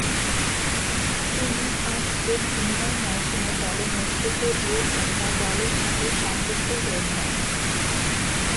তিনি পাঁচটি ভিন্ন মৌসুমে দলের নেতৃত্ব দিয়েছেন বা দলের সাথে সংযুক্ত হয়েছেন।